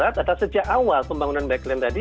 adalah sejak awal pembangunan bike lane tadi